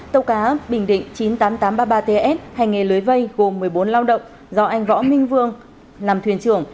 tàu cá bình định chín mươi tám nghìn tám trăm ba mươi ba ts hành nghề lưới vây gồm một mươi bốn lao động do anh võ minh vương làm thuyền trưởng